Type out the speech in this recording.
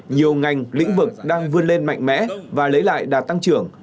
nhiều ngành lĩnh vực đang vươn lên mạnh mẽ và lấy lại đạt tăng trưởng